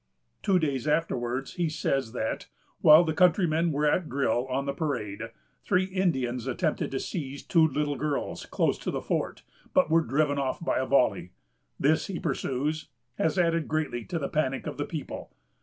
Two days afterwards, he says that, while the countrymen were at drill on the parade, three Indians attempted to seize two little girls, close to the fort, but were driven off by a volley. "This," he pursues, "has added greatly to the panic of the people.